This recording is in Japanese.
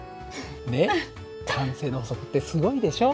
ねっ慣性の法則ってすごいでしょ。